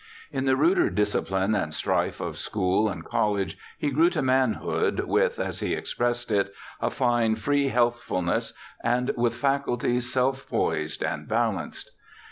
In the ruder discipline and strife of school and college he grew to manhood with (as he expressed it) 'a fine free healthfulness ', and with faculties self poised and balanced.